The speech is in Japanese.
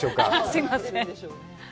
すいません。